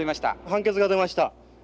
判決が出ました。